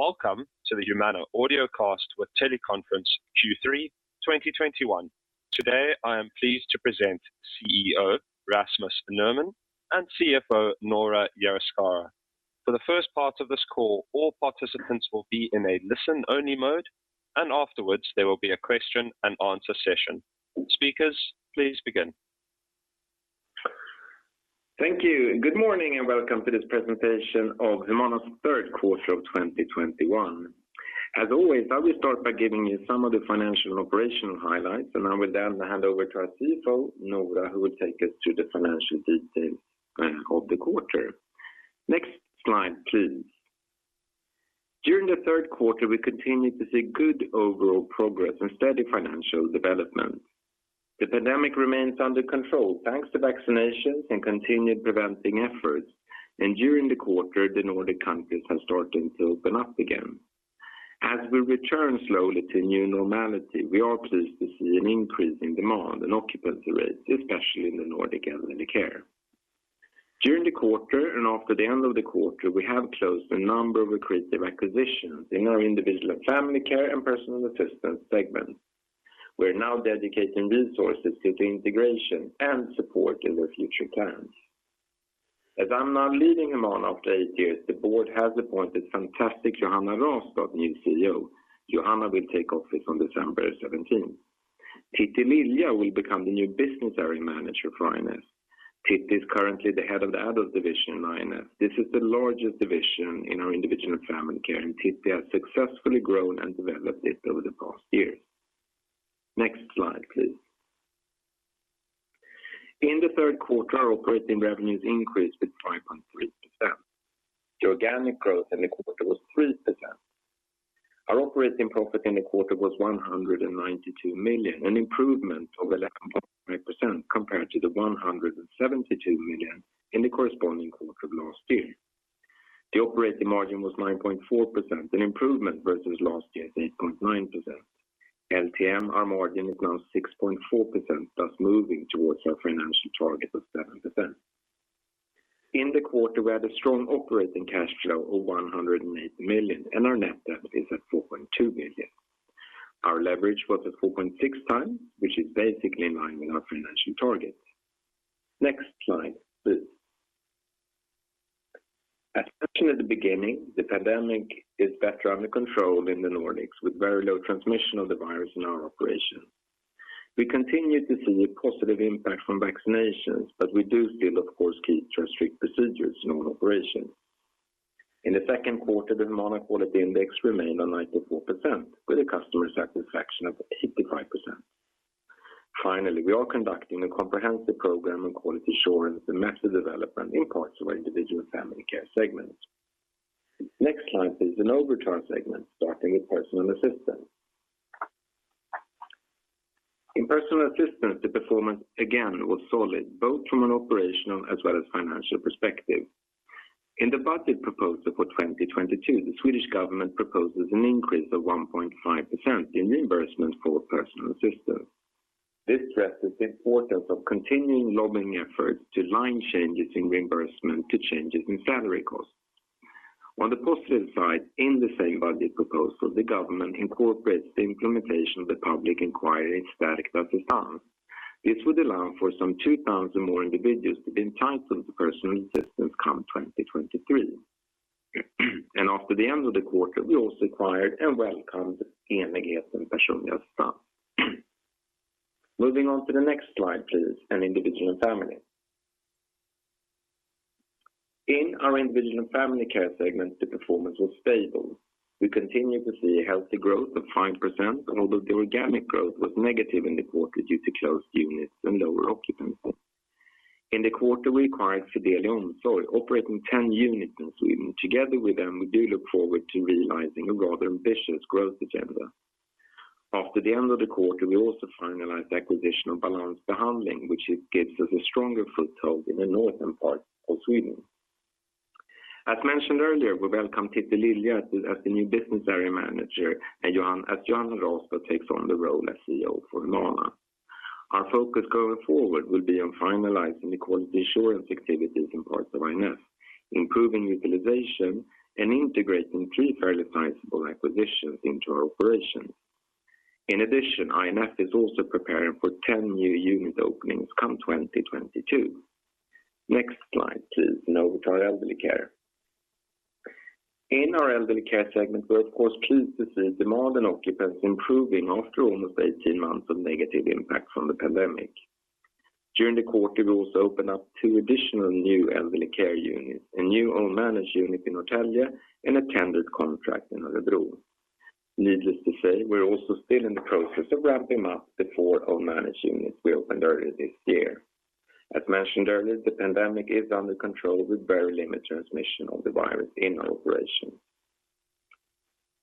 Welcome to the Humana Audiocast with Teleconference Q3 2021. Today, I am pleased to present CEO Rasmus Nerman and CFO Noora Jayasekara. For the first part of this call, all participants will be in a listen-only mode, and afterwards, there will be a question and answer session. Speakers, please begin. Thank you. Good morning, and welcome to this presentation of Humana's third quarter of 2021. As always, I will start by giving you some of the financial and operational highlights, and I will then hand over to our CFO, Noora, who will take us through the financial details of the quarter. Next slide, please. During the third quarter, we continued to see good overall progress and steady financial development. The pandemic remains under control, thanks to vaccinations and continued preventing efforts. During the quarter, the Nordic countries are starting to open up again. As we return slowly to a new normality, we are pleased to see an increase in demand and occupancy rates, especially in the Elderly Care. During the quarter and after the end of the quarter, we have closed a number of accretive acquisitions in our Individual & Family and Personal Assistance segment. We're now dedicating resources to the integration and support in their future plans. As I'm now leaving Humana after eight years, the board has appointed fantastic Johanna Rastad as new CEO. Johanna will take office on December 17th. Titti Lilja will become the new Business Area Manager for I&F. Titti is currently the head of the adult division in I&F. This is the largest division in our Individual & Family, and Titti has successfully grown and developed it over the past years. Next slide, please. In the third quarter, our operating revenues increased with 5.3%. The organic growth in the quarter was 3%. Our operating profit in the quarter was 192 million, an improvement of 11.5% compared to the 172 million in the corresponding quarter of last year. The operating margin was 9.4%, an improvement versus last year's 8.9%. LTM, our margin is now 6.4%, thus moving towards our financial target of 7%. In the quarter, we had a strong operating cash flow of 108 million, and our net debt is at 4.2 billion. Our leverage was at 4.6x, which is basically in line with our financial targets. Next slide, please. As mentioned at the beginning, the pandemic is better under control in the Nordics, with very low transmission of the virus in our operation. We continue to see a positive impact from vaccinations, but we do still, of course, keep to strict procedures in all operations. In the second quarter, the Humana Quality Index remained on 94% with a customer satisfaction of 85%. Finally, we are conducting a comprehensive program on quality assurance and method development in parts of our Individual & Family segment. Next slide, please. Over to our segments, starting with Personal Assistance. In Personal Assistance, the performance again was solid, both from an operational as well as financial perspective. In the budget proposal for 2022, the Swedish government proposes an increase of 1.5% in reimbursement for Personal Assistance. This stresses the importance of continuing lobbying efforts to align changes in reimbursement to changes in salary costs. On the positive side, in the same budget proposal, the government incorporates the implementation of the public inquiry in statligt stöd. This would allow for some 2,000 more individuals to be entitled to Personal Assistance come 2023. After the end of the quarter, we also acquired and welcomed Enigheten and Personlig assistans. Moving on to the next slide, please, on Individual and Family. In our Individual and Family Care segment, the performance was stable. We continue to see a healthy growth of 5%, although the organic growth was negative in the quarter due to closed units and lower occupancy. In the quarter, we acquired Fideli Omsorg, operating 10 units in Sweden. Together with them, we do look forward to realizing a rather ambitious growth agenda. After the end of the quarter, we also finalized the acquisition of Balans Behandling, which gives us a stronger foothold in the northern part of Sweden. As mentioned earlier, we welcome Titti Lilja as the new Business Area Manager as Johanna Rastad takes on the role as CEO for Humana. Our focus going forward will be on finalizing the quality assurance activities in parts of I&F, improving utilization, and integrating three fairly sizable acquisitions into our operations. In addition, I&F is also preparing for 10 new unit openings come 2022. Next slide, please. Now over to our Elderly Care. In our Elderly Care segment, we're of course pleased to see demand and occupancy improving after almost 18 months of negative impact from the pandemic. During the quarter, we also opened up two additional new elderly care units, a new own managed unit in Norrtälje and a tendered contract in Örebro. Needless to say, we're also still in the process of ramping up the four own managed units we opened earlier this year. As mentioned earlier, the pandemic is under control with very limited transmission of the virus in our operation.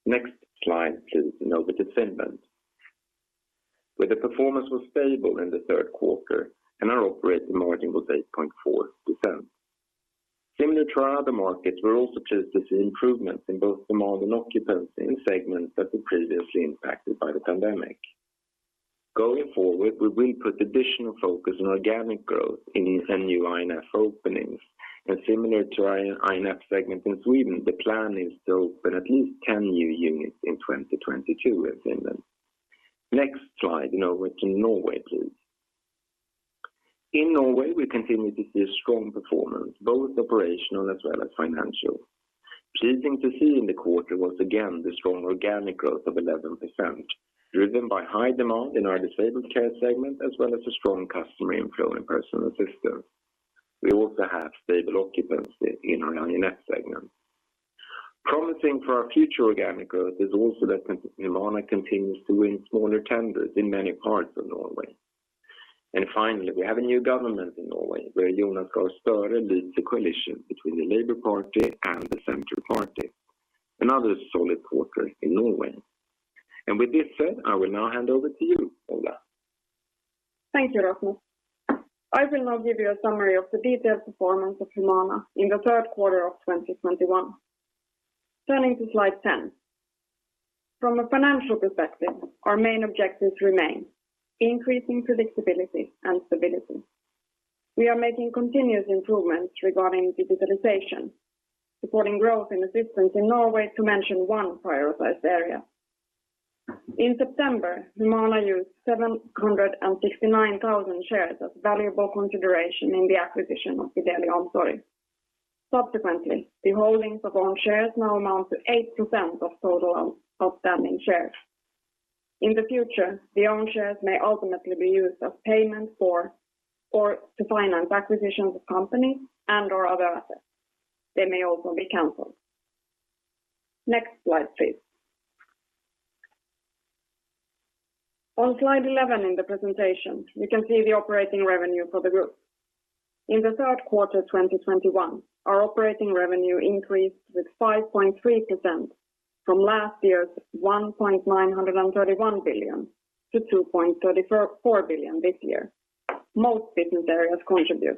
Next slide, please. Now over to Segment, where the performance was stable in the third quarter, and our operating margin was 8.4%. Similar to our other markets, we're also pleased to see improvements in both demand and occupancy in segments that were previously impacted by the pandemic. Going forward, we will put additional focus on organic growth in these new I&F openings. Similar to our I&F segment in Sweden, the plan is to open at least 10 new units in 2022 in Finland. Next slide, now over to Norway, please. In Norway, we continue to see a strong performance, both operational as well as financial. Pleasing to see in the quarter was again the strong organic growth of 11%, driven by high demand in our disabled care segment, as well as a strong customer inflow in Personal Assistance. We also have stable occupancy in our I&F segment. Promising for our future organic growth is also that Humana continues to win smaller tenders in many parts of Norway. Finally, we have a new government in Norway, where Jonas Gahr Støre leads a coalition between the Labour Party and the Centre Party. Another solid quarter in Norway. With this said, I will now hand over to you, Noora. Thank you, Rasmus. I will now give you a summary of the detailed performance of Humana in the third quarter of 2021. Turning to slide 10. From a financial perspective, our main objectives remain increasing predictability and stability. We are making continuous improvements regarding digitalization, supporting growth in assistance in Norway, to mention one prioritized area. In September, Humana used 769,000 shares as valuable consideration in the acquisition of Fideli Omsorg. Subsequently, the holdings of own shares now amount to 8% of total outstanding shares. In the future, the own shares may ultimately be used as payment for or to finance acquisitions of companies and/or other assets. They may also be canceled. Next slide, please. On slide 11 in the presentation, you can see the operating revenue for the group. In the third quarter 2021, our operating revenue increased with 5.3% from last year's 1.931 billion to 2.34 billion this year. Most business areas contribute.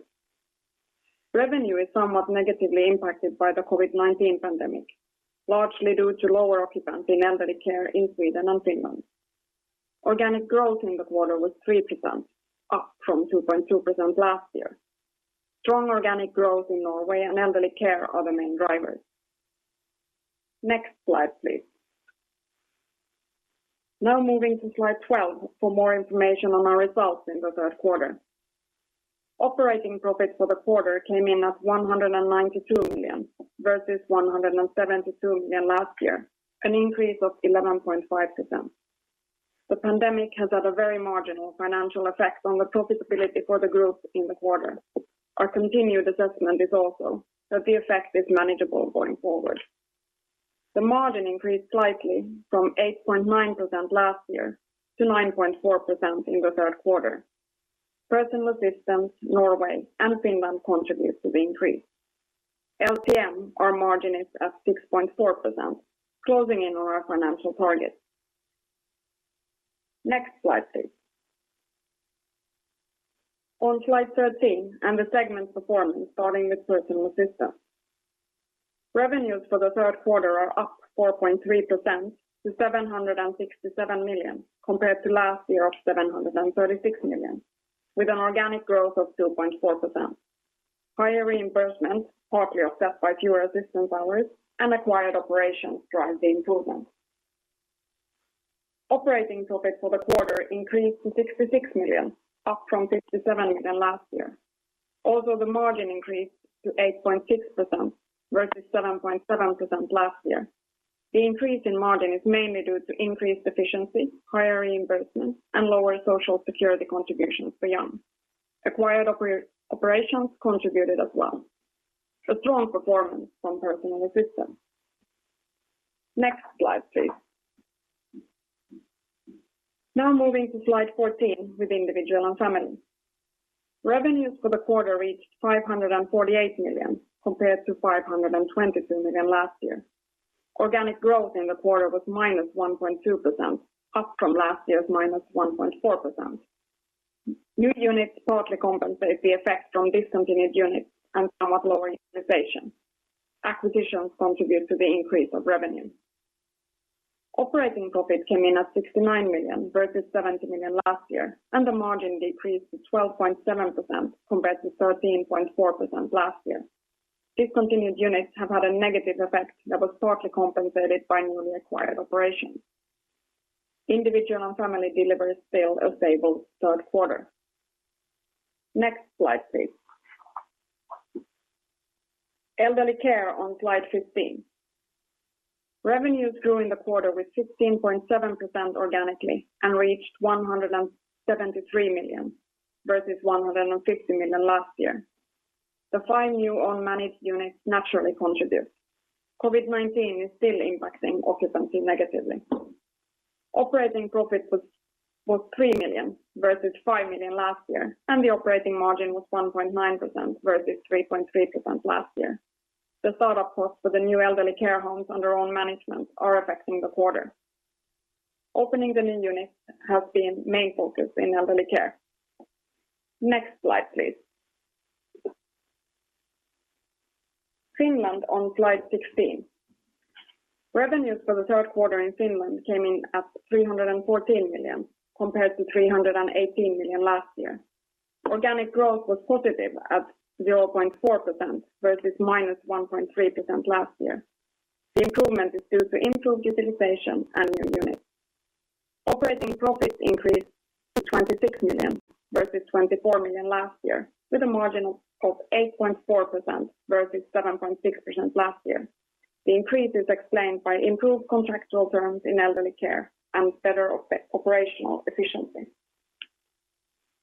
Revenue is somewhat negatively impacted by the COVID-19 pandemic, largely due to lower occupancy in Elderly Care in Sweden and Finland. Organic growth in the quarter was 3%, up from 2.2% last year. Strong organic growth in Norway and Elderly Care are the main drivers. Next slide, please. Now moving to slide 12 for more information on our results in the third quarter. Operating profit for the quarter came in at 192 million, versus 172 million last year, an increase of 11.5%. The pandemic has had a very marginal financial effect on the profitability for the group in the quarter. Our continued assessment is also that the effect is manageable going forward. The margin increased slightly from 8.9% last year to 9.4% in the third quarter. Personal Assistance, Norway, and Finland contribute to the increase. LTM, our margin is at 6.4%, closing in on our financial target. Next slide, please. On slide 13 and the segment performance, starting with Personal Assistance. Revenues for the third quarter are up 4.3% to 767 million, compared to last year of 736 million, with an organic growth of 2.4%. Higher reimbursements, partly offset by fewer assistance hours and acquired operations drive the improvement. Operating profit for the quarter increased to 66 million, up from 57 million last year. The margin increased to 8.6% versus 7.7% last year. The increase in margin is mainly due to increased efficiency, higher reimbursements, and lower social security contributions for Jan. Acquired operations contributed as well. A strong performance from Personal Assistance. Next slide, please. Now moving to slide 14 with Individual & Family. Revenues for the quarter reached 548 million compared to 522 million last year. Organic growth in the quarter was -1.2%, up from last year's -1.4%. New units partly compensate the effect from discontinued units and somewhat lower utilization. Acquisitions contribute to the increase of revenue. Operating profit came in at 69 million, versus 70 million last year, and the margin decreased to 12.7% compared to 13.4% last year. Discontinued units have had a negative effect that was partly compensated by newly acquired operations. Individual & Family delivers still a stable third quarter. Next slide, please. Elderly Care on slide 15. Revenues grew in the quarter with 16.7% organically and reached 173 million, versus 150 million last year. The five new own managed units naturally contribute. COVID-19 is still impacting occupancy negatively. Operating profit was 3 million versus 5 million last year, and the operating margin was 1.9% versus 3.3% last year. The startup costs for the new Elderly Care homes under own management are affecting the quarter. Opening the new units has been main focus in Elderly Care. Next slide, please. Finland on slide 16. Revenues for the third quarter in Finland came in at 314 million compared to 318 million last year. Organic growth was positive at 0.4% versus -1.3% last year. The improvement is due to improved utilization and new units. Operating profits increased to 26 million versus 24 million last year, with a margin of 8.4% versus 7.6% last year. The increase is explained by improved contractual terms in Elderly Care and better operational efficiency.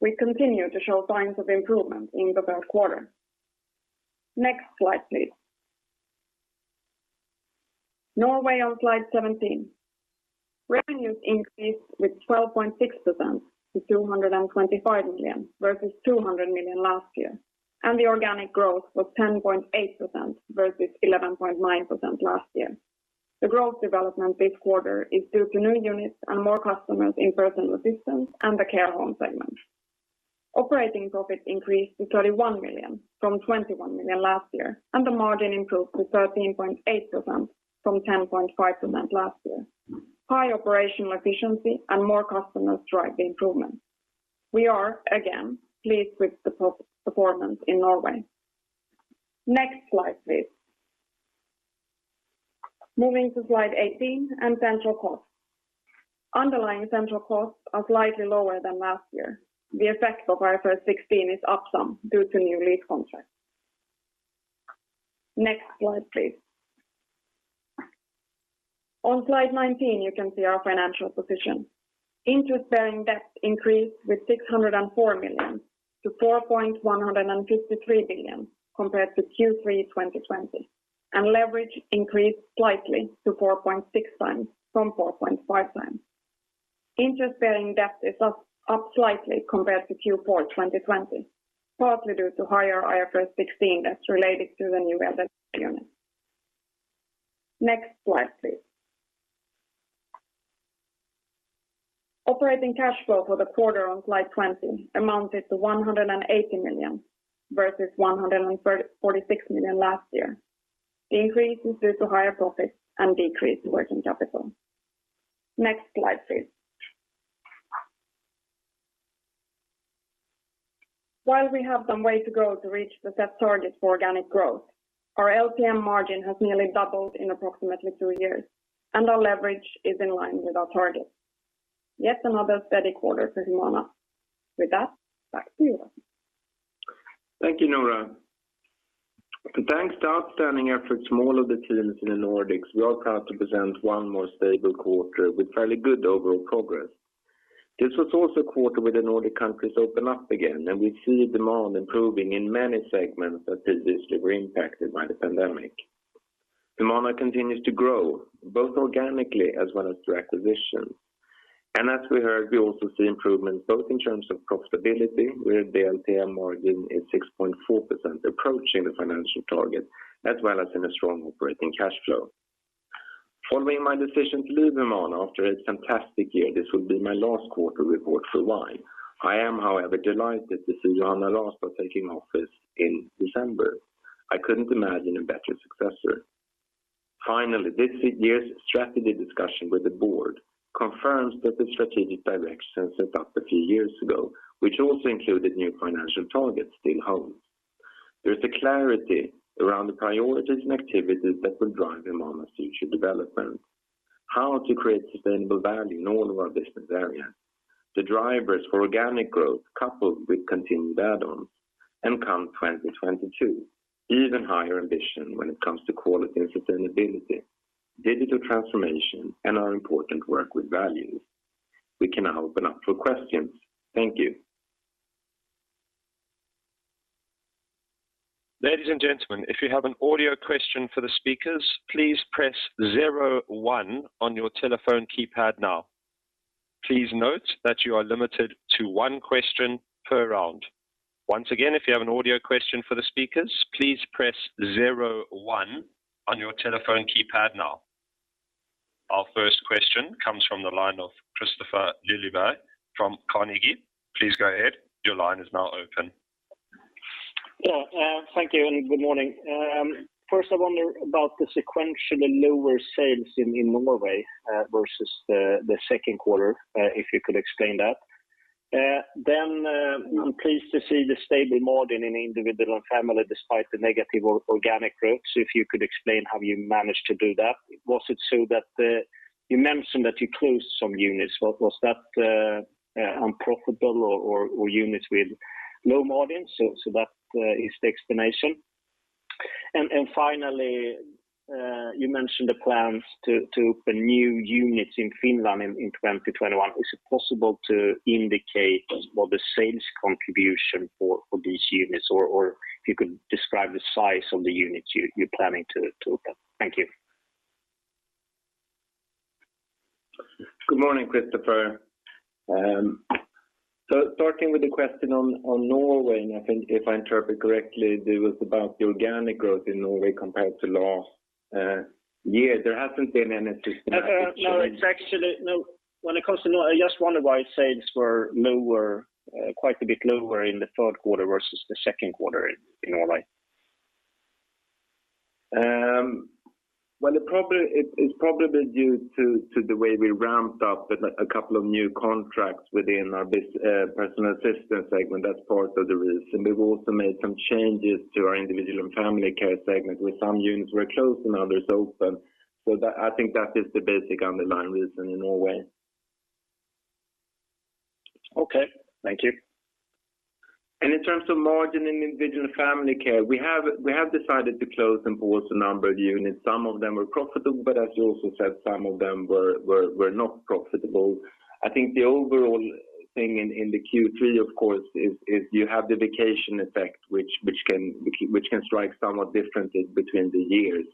We continue to show signs of improvement in the third quarter. Next slide, please. Norway on slide 17. Revenues increased with 12.6% to 225 million versus 200 million last year, and the organic growth was 10.8% versus 11.9% last year. The growth development this quarter is due to new units and more customers in Personal Assistance and the care home segment. Operating profit increased to 31 million from 21 million last year, and the margin improved to 13.8% from 10.5% last year. High operational efficiency and more customers drive the improvement. We are again pleased with our performance in Norway. Next slide, please. Moving to slide 18 and central costs. Underlying central costs are slightly lower than last year. The effect of IFRS 16 is up some due to new lease contracts. Next slide, please. On slide 19, you can see our financial position. Interest-bearing debt increased by 604 million to 4.153 billion compared to Q3 2020, and leverage increased slightly to 4.6x from 4.5x. Interest-bearing debt is up slightly compared to Q4 2020, partly due to higher IFRS 16 that's related to the new Elderly Care units. Next slide, please. Operating cash flow for the quarter on slide 20 amounted to 180 million versus 146 million last year. The increase is due to higher profits and decreased working capital. Next slide, please. While we have some way to go to reach the set target for organic growth, our LTM margin has nearly doubled in approximately two years, and our leverage is in line with our targets. Yet another steady quarter for Humana. With that, back to you, Rasmus. Thank you, Noora. Thanks to outstanding efforts from all of the teams in the Nordics, we are proud to present one more stable quarter with fairly good overall progress. This was also a quarter where the Nordic countries open up again, and we see demand improving in many segments that previously were impacted by the pandemic. Humana continues to grow, both organically as well as through acquisition. As we heard, we also see improvements both in terms of profitability, where the LTM margin is 6.4%, approaching the financial target, as well as in a strong operating cash flow. Following my decision to leave Humana after a fantastic year, this will be my last quarter report for a while. I am, however, delighted to see Johanna Rastad taking office in December. I couldn't imagine a better successor. Finally, this year's strategy discussion with the board confirms that the strategic direction set up a few years ago, which also included new financial targets, still holds. There is a clarity around the priorities and activities that will drive Humana's future development, how to create sustainable value in all of our business areas. The drivers for organic growth coupled with continued add-ons and come 2022, even higher ambition when it comes to quality and sustainability, digital transformation and our important work with values. We can now open up for questions. Thank you. Ladies and gentlemen, if you have an audio question for the speakers, please press zero one on your telephone keypad now. Please note that you are limited to one question per round. Once again, if you have an audio question for the speakers, please press zero one on your telephone keypad now. Our first question comes from the line of Kristofer Liljeberg from Carnegie. Please go ahead. Your line is now open. Yeah, thank you and good morning. First I wonder about the sequentially lower sales in Norway versus the second quarter, if you could explain that. I'm pleased to see the stable margin in Individual & Family despite the negative organic growth. If you could explain how you managed to do that. Was it so that you mentioned that you closed some units. Was that unprofitable or units with low margin? That is the explanation. Finally, you mentioned the plans to open new units in Finland in 2021. Is it possible to indicate what the sales contribution for these units or if you could describe the size of the units you're planning to open? Thank you. Good morning, Kristofer. Starting with the question on Norway, I think if I interpret correctly, it was about the organic growth in Norway compared to last year, there hasn't been any systematic change. No, it's actually. No. When it comes to Norway, I just wonder why sales were lower, quite a bit lower in the third quarter versus the second quarter in Norway. Well, it is probably due to the way we ramped up a couple of new contracts within our Personal Assistance segment. That's part of the reason. We've also made some changes to our Individual & Family segment, where some units were closed and others opened. I think that is the basic underlying reason in Norway. Okay. Thank you. In terms of margin in Individual & Family, we have decided to close and pause a number of units. Some of them were profitable, but as you also said, some of them were not profitable. I think the overall thing in the Q3, of course, is you have the vacation effect which can strike somewhat differences between the years.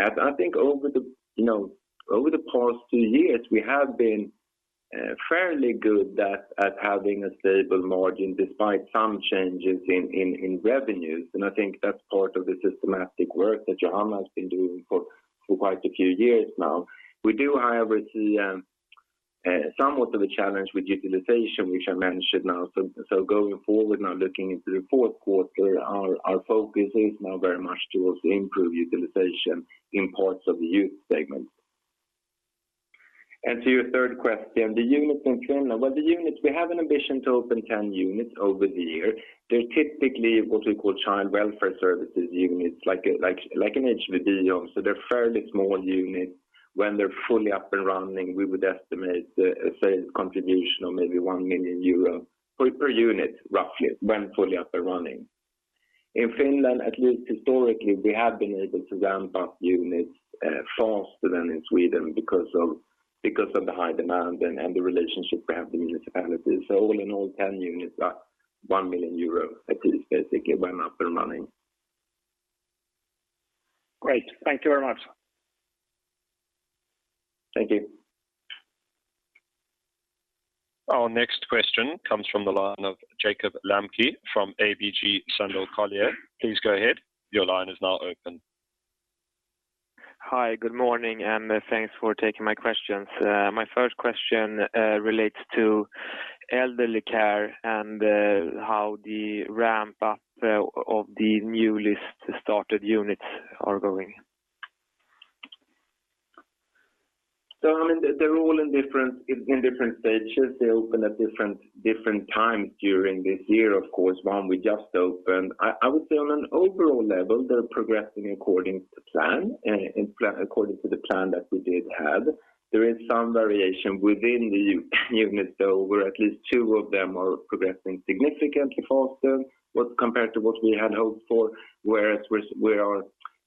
I think over the past two years, you know, we have been fairly good at having a stable margin despite some changes in revenues. I think that's part of the systematic work that Johanna has been doing for quite a few years now. We do, however, see somewhat of a challenge with utilization, which I mentioned now. Going forward now looking into the fourth quarter, our focus is now very much towards improved utilization in parts of the youth segment. To your third question, the units in Finland. Well, the units, we have an ambition to open 10 units over the year. They're typically what we call child welfare services units, like an HVB-hem. They're fairly small units. When they're fully up and running, we would estimate a sales contribution of maybe 1 million euro per unit, roughly, when fully up and running. In Finland, at least historically, we have been able to ramp up units faster than in Sweden because of the high demand and the relationship we have with municipalities. All in all, 10 units, 1 million euro at least, basically when up and running. Great. Thank you very much. Thank you. Our next question comes from the line of Jakob Lembke from ABG Sundal Collier. Please go ahead. Your line is now open. Hi, good morning, and thanks for taking my questions. My first question relates to Elderly Care and how the ramp up of the newly started units are going? I mean, they're all in different stages. They open at different times during this year, of course. One we just opened. I would say on an overall level, they're progressing according to plan, according to the plan that we did have. There is some variation within the units though, where at least two of them are progressing significantly faster compared to what we had hoped for, whereas we are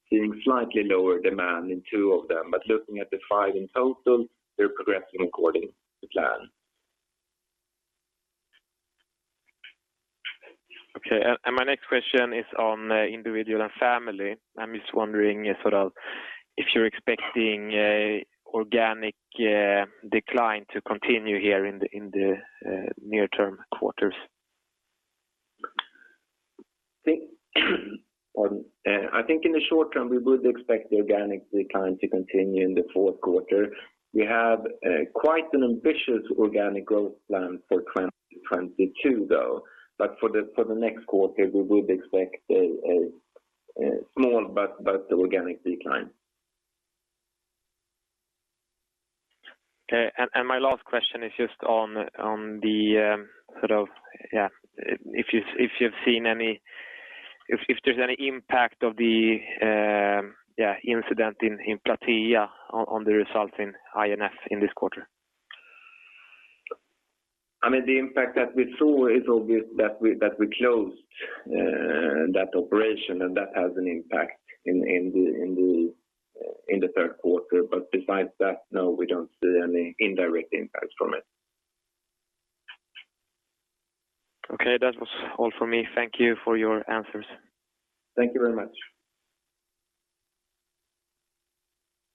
seeing slightly lower demand in two of them. Looking at the five in total, they're progressing according to plan. My next question is on Individual & Family. I'm just wondering sort of if you're expecting an organic decline to continue here in the near-term quarters? I think in the short term, we would expect the organic decline to continue in the fourth quarter. We have quite an ambitious organic growth plan for 2022 though. For the next quarter, we would expect a small but organic decline. Okay. My last question is just on if there's any impact of the incident in Platea on the results in INF in this quarter? I mean, the impact that we saw is obvious that we closed that operation, and that has an impact in the third quarter. But besides that, no, we don't see any indirect impacts from it. Okay. That was all for me. Thank you for your answers. Thank you very much.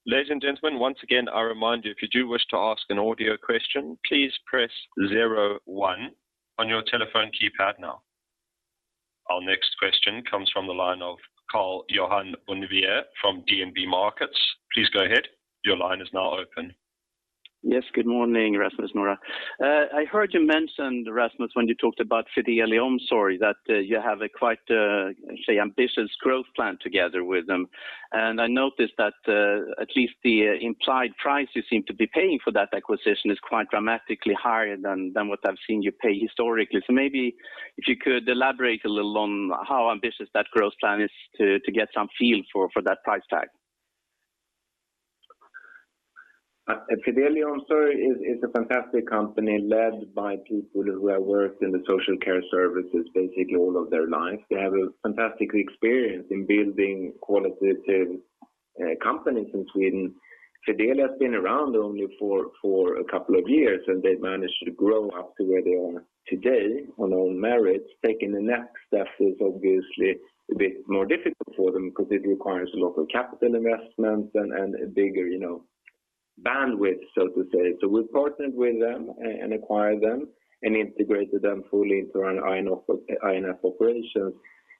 Ladies and gentlemen, once again, I remind you, if you do wish to ask an audio question, please press zero one on your telephone keypad now. Our next question comes from the line of Karl-Johan Bonnevier from DNB Markets. Please go ahead. Your line is now open. Yes. Good morning, Rasmus, Noora. I heard you mentioned, Rasmus, when you talked about Fideli Omsorg, that you have a quite, say ambitious growth plan together with them. I noticed that at least the implied price you seem to be paying for that acquisition is quite dramatically higher than what I've seen you pay historically. Maybe if you could elaborate a little on how ambitious that growth plan is to get some feel for that price tag. Fideli Omsorg is a fantastic company led by people who have worked in the social care services basically all of their lives. They have a fantastic experience in building qualitative companies in Sweden. Fideli has been around only for a couple of years, and they've managed to grow up to where they are today on their own merits. Taking the next step is obviously a bit more difficult for them because it requires a lot of capital investment and a bigger, you know, bandwidth, so to say. We partnered with them and acquired them and integrated them fully into our I&F operations.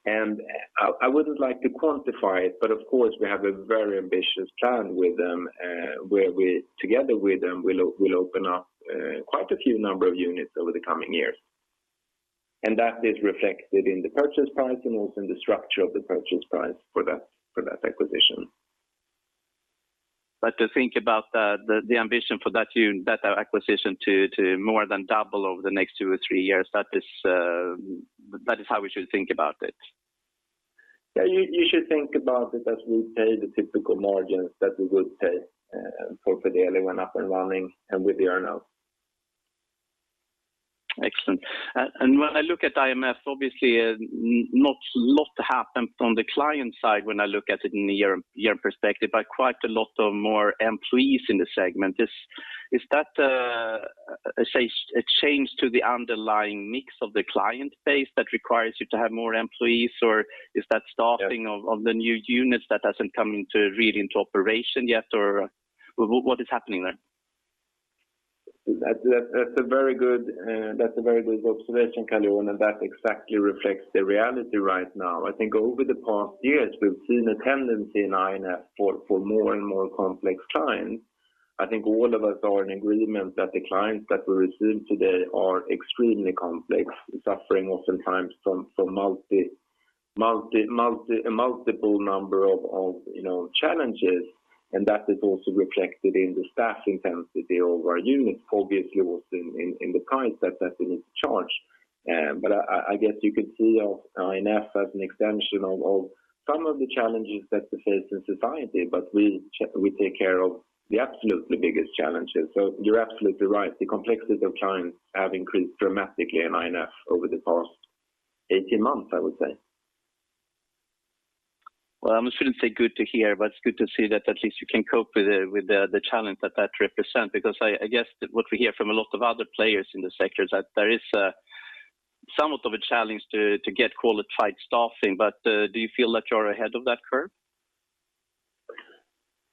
I wouldn't like to quantify it, but of course, we have a very ambitious plan with them, where we together with them will open up quite a few number of units over the coming years. That is reflected in the purchase price and also in the structure of the purchase price for that acquisition. To think about the ambition for that acquisition to more than double over the next two or three years, that is how we should think about it? Yeah. You should think about it as we pay the typical margins that we would pay for the Fideli up and running and with the earn out. Excellent. When I look at INF, obviously, not a lot happened on the client side when I look at it in the year perspective, but quite a lot more employees in the segment. Is that, say, a change to the underlying mix of the client base that requires you to have more employees, or is that staffing- Yeah. of the new units that hasn't come really into operation yet, or what is happening there? That's a very good observation, Karl-Johan, and that exactly reflects the reality right now. I think over the past years, we've seen a tendency in I&F for more and more complex clients. I think all of us are in agreement that the clients that we receive today are extremely complex, suffering oftentimes from a multiple number of, you know, challenges, and that is also reflected in the staffing intensity of our units, obviously also in the clients that they need to charge. I guess you could see our I&F as an extension of some of the challenges that we face in society, but we take care of the absolutely biggest challenges. You're absolutely right. The complexities of clients have increased dramatically in I&F over the past 18 months, I would say. Well, I shouldn't say good to hear, but it's good to see that at least you can cope with the challenge that represent because I guess that's what we hear from a lot of other players in the sector is that there is somewhat of a challenge to get qualified staffing. Do you feel that you're ahead of that curve?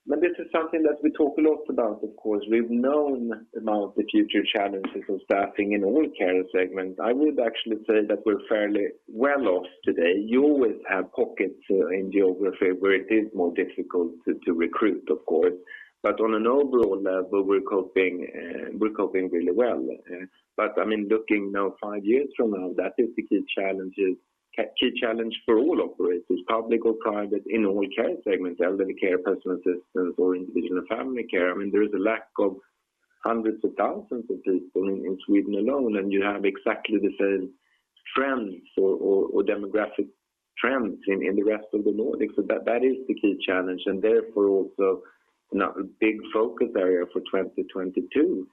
Well, this is something that we talk a lot about, of course. We've known about the future challenges of staffing in all care segments. I would actually say that we're fairly well off today. You always have pockets in geography where it is more difficult to recruit, of course. On an overall level, we're coping really well. I mean, looking now five years from now, that is the key challenge for all operators, public or private, in all care segments, Elderly Care, Personal Assistance, or Individual & Family. I mean, there is a lack of hundreds of thousands of people in Sweden alone, and you have exactly the same demographic trends in the rest of the Nordics. That is the key challenge, and therefore, also, you know, a big focus area for 2022,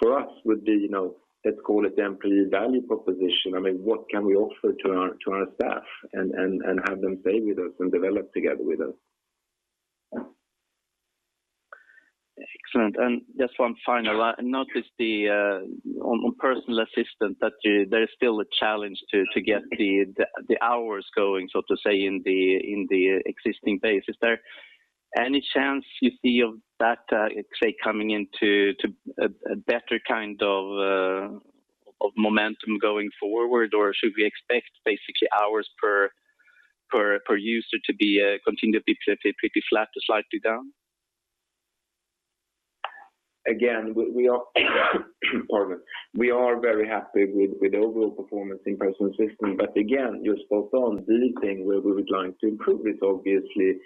for us would be, you know, let's call it the employee value proposition. I mean, what can we offer to our staff and have them stay with us and develop together with us? Excellent. Just one final. I noticed that on Personal Assistance there is still a challenge to get the hours going, so to say, in the existing base. Is there any chance you see of that coming into a better kind of momentum going forward? Or should we expect basically hours per user to continue to be pretty flat to slightly down? Pardon. We are very happy with the overall performance in Personal Assistance. But again, you're spot on, the thing where we would like to improve is obviously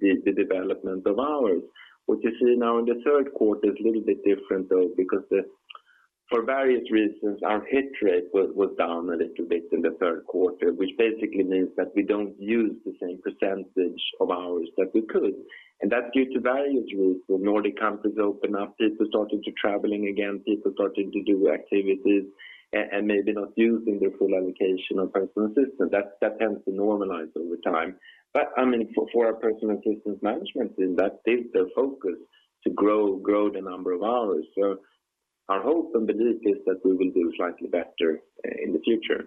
the development of hours. What you see now in the third quarter is a little bit different though, because for various reasons, our hit rate was down a little bit in the third quarter, which basically means that we don't use the same percentage of hours that we could. That's due to various reasons. The Nordic countries open up. People started to travel again. People started to do activities and maybe not using their full allocation of Personal Assistance. That tends to normalize over time. I mean, for our Personal Assistance management team, that is their focus, to grow the number of hours. Our hope and belief is that we will do slightly better in the future.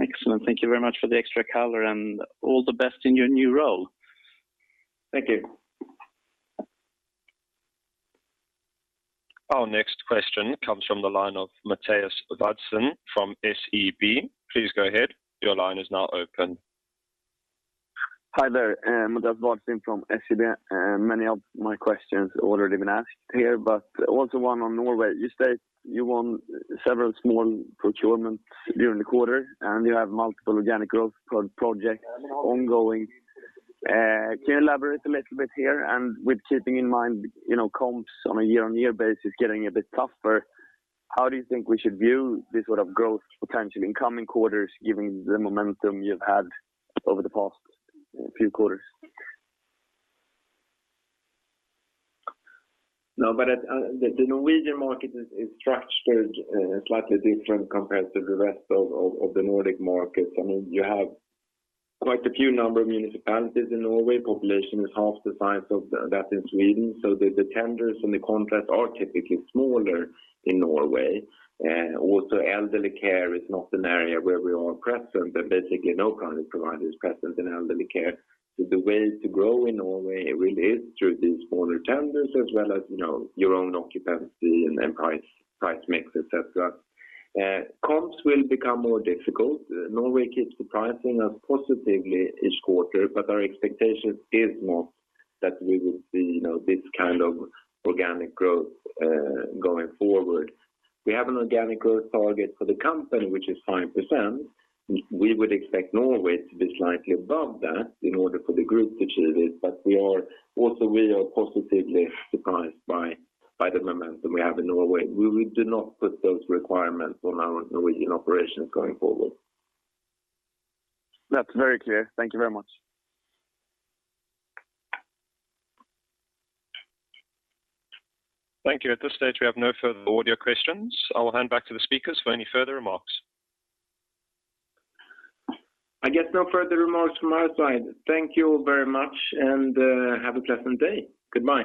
Excellent. Thank you very much for the extra color, and all the best in your new role. Thank you. Our next question comes from the line of Mattias Vadsten from SEB. Please go ahead. Your line is now open. Hi there. Mattias Vadsten from SEB. Many of my questions already been asked here, but also one on Norway. You state you won several small procurements during the quarter, and you have multiple organic growth projects ongoing. Can you elaborate a little bit here? With keeping in mind, you know, comps on a year-on-year basis getting a bit tougher, how do you think we should view this sort of growth potential in coming quarters, given the momentum you've had over the past few quarters? No. The Norwegian market is structured slightly different compared to the rest of the Nordic markets. I mean, you have quite a few number of municipalities in Norway. Population is half the size of that in Sweden. The tenders and the contracts are typically smaller in Norway. Also Elderly Care is not an area where we are present, and basically no kind of provider is present in Elderly Care. The way to grow in Norway really is through these smaller tenders as well as, you know, your own occupancy and then price mix, et cetera. Comps will become more difficult. Norway keeps surprising us positively each quarter, but our expectation is not that we will see, you know, this kind of organic growth going forward. We have an organic growth target for the company, which is 5%. We would expect Norway to be slightly above that in order for the group to achieve it. We are also positively surprised by the momentum we have in Norway. We do not put those requirements on our Norwegian operations going forward. That's very clear. Thank you very much. Thank you. At this stage, we have no further audio questions. I will hand back to the speakers for any further remarks. I guess no further remarks from our side. Thank you all very much, and have a pleasant day. Goodbye.